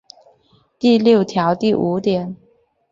第六条第五点